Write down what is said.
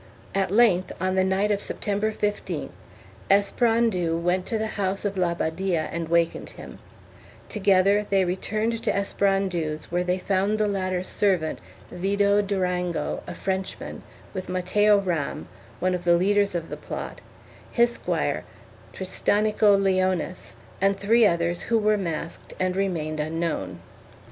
At length, on the night of September 15th, Esperandeu went to the house of la Badia and wakened him; together they returned to Esperandeu's, where they found the latter's servant Vidau Durango, a Frenchman, with Mateo Ram, one of the leaders of the plot, his squire Tristanico Leonis and three others who were masked and who remained unknown.